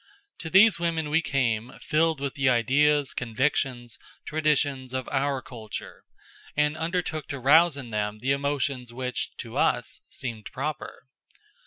To these women we came, filled with the ideas, convictions, traditions, of our culture, and undertook to rouse in them the emotions which to us seemed proper.